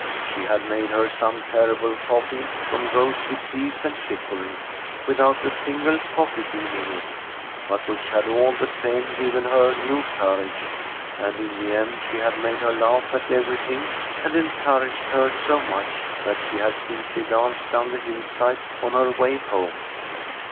She had made her some terrible coffee from roasted peas and chicory, without a single coffee bean in it, but which had all the same given her new courage, and in the end she had made her laugh at ever>'thing, and encouraged her so much, that she had simply danced down the hillside on her way home.